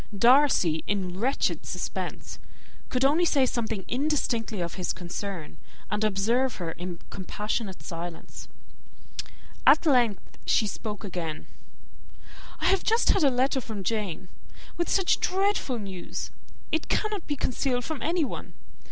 Darcy, in wretched suspense, could only say something indistinctly of his [Illustration: "I have not an instant to lose" ] concern, and observe her in compassionate silence. At length she spoke again. "I have just had a letter from Jane, with such dreadful news. It cannot be concealed from anyone.